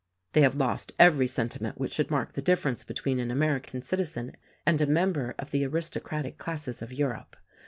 "They have lost every sentiment which shoujd mark the difference between an American citizen and a member of the aristocratic classes of Europe.